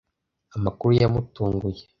Amakuru yamutunguye.